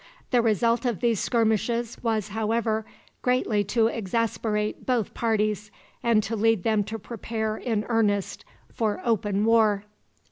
The result of these skirmishes was, however, greatly to exasperate both parties, and to lead them to prepare in earnest for open war.